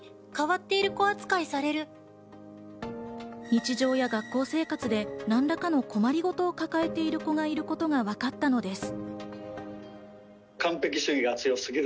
日常や学校生活で何らかの困りごとを抱えている子がいることがわかったのです。